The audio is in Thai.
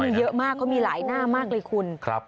มีเยอะมากเขามีหลายหน้ามากเลยคุณ